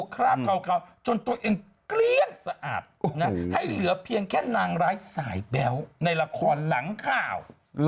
คราบขาวจนตัวเองเกลี้ยงสะอาดให้เหลือเพียงแค่นางร้ายสายแบ๊วในละครหลังข่าว